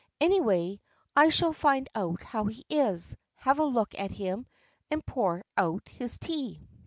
Anyway, I shall find out how he is, have a look at him, and pour out his tea."